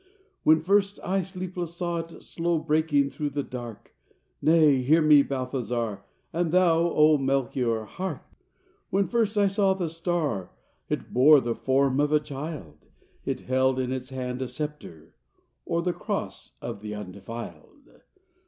When first I, sleepless, saw it Slow breaking through the dark— Nay, hear me, Balthazar, And thou, O Melchior, hark!— When first I saw the star It bore the form of a child, It held in its hand a sceptre, Or the cross of the undefiled.